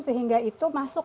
sehingga itu masuk ke sirkulasi